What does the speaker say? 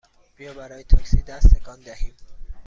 بیا برای تاکسی دست تکان دهیم!